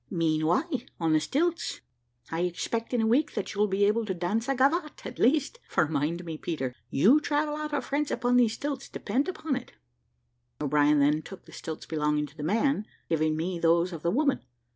"Mean why, on the stilts. I expect in a week that you'll be able to dance a gavotte at least; for mind me, Peter, you travel out of France upon these stilts, depend upon it." O'Brien then took the stilts belonging to the man, giving me those of the woman.